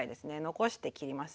残して切りますね。